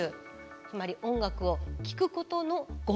つまり音楽を聴くことのご褒美。